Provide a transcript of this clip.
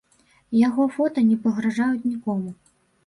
Яго фота не пагражаюць нікому.